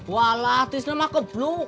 walah tisna mah keblu